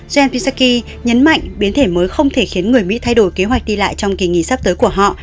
jen pisaki nhấn mạnh biến thể mới không thể khiến người mỹ thay đổi kế hoạch đi lại trong kỳ nghỉ sắp tới của họ